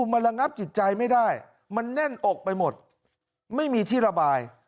มันระงับจิตใจไม่ได้มันแน่นอกไปหมดไม่มีที่ระบาย